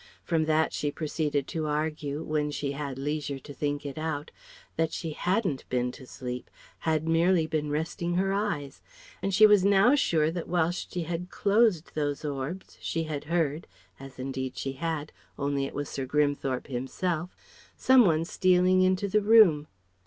_ From that she proceeded to argue (when she had leisure to think it out) that she hadn't been to sleep, had merely been resting her eyes. And she was now sure that whilst she had closed those orbs she had heard as indeed she had, only it was Sir Grimthorpe himself some one stealing into the room.